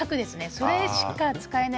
それしか使えない。